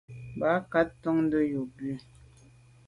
Mbat nka’ tonte yub yi.